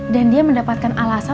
dan dia mendapatkan alasan